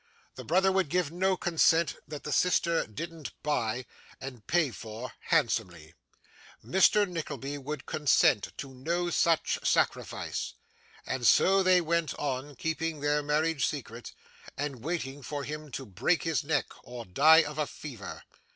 The brother would give no consent that the sister didn't buy, and pay for handsomely; Mr. Nickleby would consent to no such sacrifice; and so they went on, keeping their marriage secret, and waiting for him to break his neck or die of a fever.